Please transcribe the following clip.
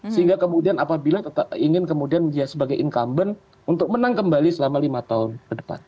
sehingga kemudian apabila ingin kemudian dia sebagai incumbent untuk menang kembali selama lima tahun ke depan